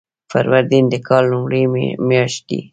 فروردین د کال لومړۍ میاشت ده.